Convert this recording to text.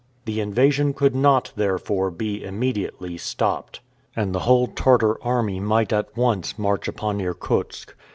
The invasion could not, therefore, be immediately stopped, and the whole Tartar army might at once march upon Irkutsk.